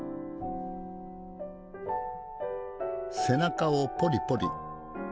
背中をポリポリ。